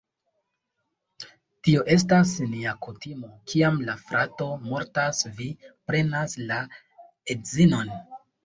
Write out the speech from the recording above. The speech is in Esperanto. Tio estas nia kutimo, kiam la frato mortas, vi prenas la edzinon